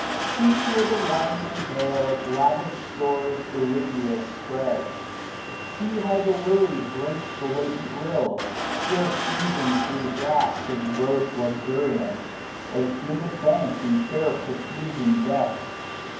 490 See, where the winding vale its lavish stores, Irriguous, spreads. See, how the lily drinks The latent rill; scarce oozing thro* the grass. Of growth luxuriant ; or the humid bank. In fair profusion, decks.